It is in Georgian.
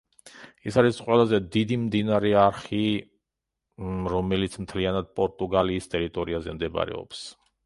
ის არის ყველაზე დიდი მდინარე არხი, რომელიც მთლიანად პორტუგალიის ტერიტორიაზე მდებარეობს.